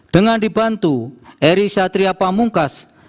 dengan dibantu eri satria pamungkas